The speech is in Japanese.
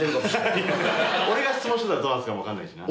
俺が質問してたらどうなってたかもわかんないしな。